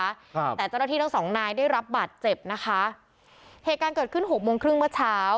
ครับแต่เจ้าหน้าที่ทั้งสองนายได้รับบาดเจ็บนะคะเหตุการณ์เกิดขึ้นหกโมงครึ่งเมื่อเช้า